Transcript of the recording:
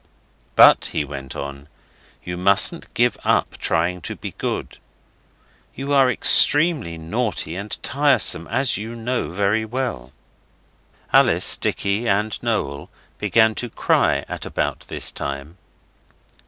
'But,' he went on, 'you mustn't give up trying to be good. You are extremely naughty and tiresome, as you know very well.' Alice, Dicky, and Noel began to cry at about this time.